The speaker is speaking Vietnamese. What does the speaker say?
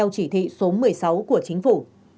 chỉ thị số một mươi sáu của chính phủ